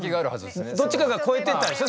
どっちかが越えてったんでしょ？